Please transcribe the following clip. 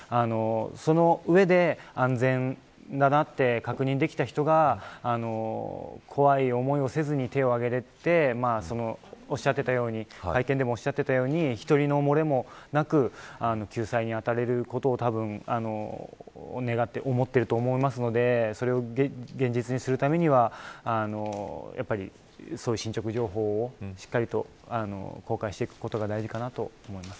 その上で安全だなって確認できた人が怖い思いをせずに手を挙げられて会見でもおっしゃっていたように１人の漏れもなく救済に当たれることを願っていると思いますのでそれを現実にするためにはそういう進捗情報をしっかりと公開していくことが大事かなと思います。